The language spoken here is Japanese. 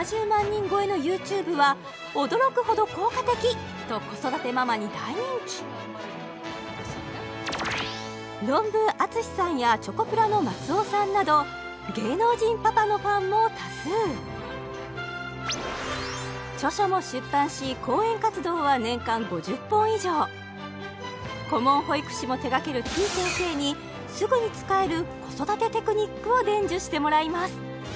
人超えのＹｏｕＴｕｂｅは驚くほど効果的と子育てママに大人気ロンブー・淳さんやチョコプラの松尾さんなど芸能人パパのファンも多数著書も出版し講演活動は年間５０本以上顧問保育士も手がけるてぃ先生にすぐに使える子育てテクニックを伝授してもらいます